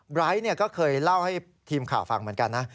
ไร้ก็เคยเล่าให้ทีมข่าวฟังเหมือนกันนะ